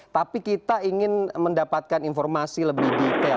tapi kita ingin mendapatkan informasi lebih detail